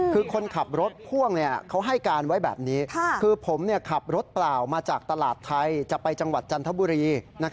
คือคนขับรถพ่วงเขาให้การไว้แบบนี้